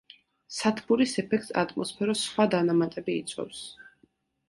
სათბურის ეფექტს ატმოსფეროს სხვა დანამატები იწვევს.